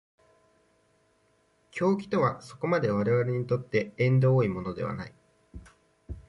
狂気とはそこまで我々にとって縁遠いものではない。